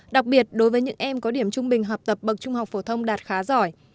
đặc biệt đối với những em có điểm trung bình học tập bậc trung học phổ thông đạt khá giỏi